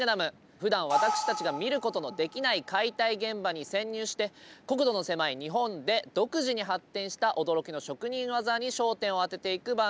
ふだん私たちが見ることのできない解体現場に潜入して国土の狭い日本で独自に発展した驚きの職人技に焦点をあてていく番組です。